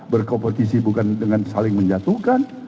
berkompetisi bukan dengan saling menjatuhkan